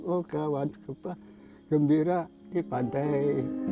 oh kawan ku bah gembira di pantai